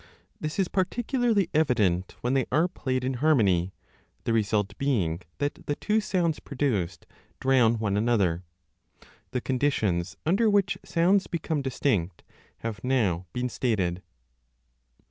This is particularly evident when they are played in harmony, the result being that the two 20 sounds produced drown one another. The conditions under which sounds become distinct * have now been stated.